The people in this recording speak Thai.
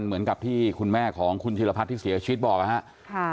เหมือนกับที่คุณแม่ของคุณธิรพัฒน์ที่เสียชีวิตบอกนะครับ